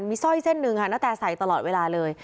มีสร้อยเส้นหนึ่งค่ะณแตใส่ตลอดเวลาเลย